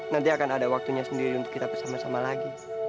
nanti akan ada waktunya sendiri untuk kita bersama sama lagi